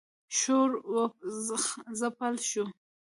شور و ځپل شو.